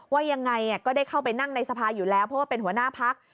ว่ายังไงก็ได้เข้าไปนั่งในสภาอยู่แล้วเพราะว่าเป็นหัวหน้าพัก